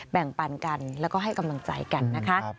แบ่งปันกันแล้วก็ให้กำลังใจกันนะคะ